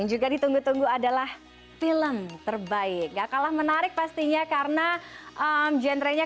yang juga ditunggu tunggu adalah film terbaik gak kalah menarik pastinya karena genre nya